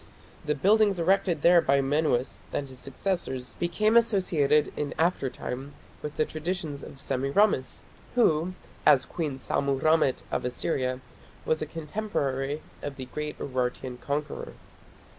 The buildings erected there by Menuas and his successors became associated in after time with the traditions of Semiramis, who, as Queen Sammu rammat of Assyria, was a contemporary of the great Urartian conqueror.